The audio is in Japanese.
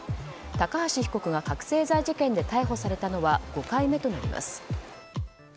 高橋被告が覚醒剤事件で逮捕されたのは５回目となります。